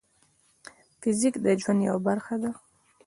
فزیک د ژوند یوه برخه ده.